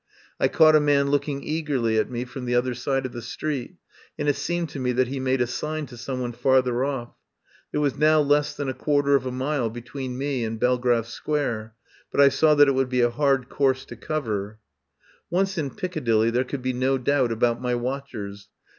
I caught a man looking eagerly at me from the other side of the street, and it seemed to me that he made a sign to someone farther off. There was now less than a quarter of a mile between me and Belgrave Square, but I saw that it would be a hard course to cover. Once in Piccadilly there could be no doubt about my watchers.